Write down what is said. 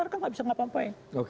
kan tidak bisa mengapa apai